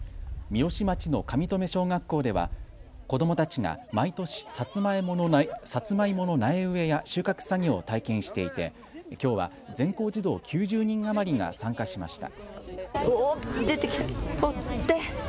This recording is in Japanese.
三芳町の上富小学校では子どもたちが毎年さつまいもの苗植えや収穫作業を体験していてきょうは全校児童９０人余りが参加しました。